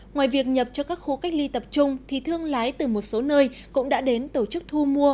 ngoài việc nhập cho các khu cách ly tập trung thì thương lái từ một số nơi cũng đã đến tổ chức thu mua